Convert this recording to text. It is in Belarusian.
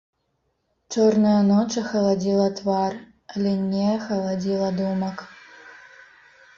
Чорная ноч ахаладзіла твар, але не ахаладзіла думак.